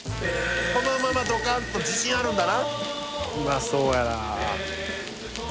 このままドカンと自信あるんだなうまそうやなあ